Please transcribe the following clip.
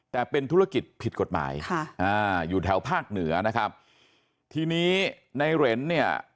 แต่เป็นธุรกิจผิดกฎหมายค่ะอ่าอยู่แถวภาคเหนือนะครับทีนี้ในเหรนเนี่ย